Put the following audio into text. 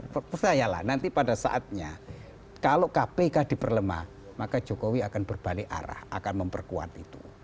percayalah nanti pada saatnya kalau kpk diperlemah maka jokowi akan berbalik arah akan memperkuat itu